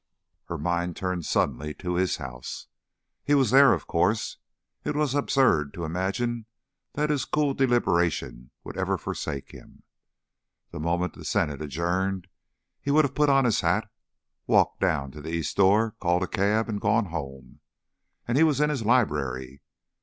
Her mind turned suddenly to his house. He was there, of course; it was absurd to imagine that his cool deliberation would ever forsake him. The moment the Senate adjourned he would have put on his hat, walked down to the East door, called a cab and gone home. And he was in his library.